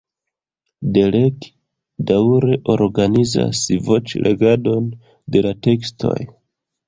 Derek daŭre organizas voĉlegadon de la tekstoj.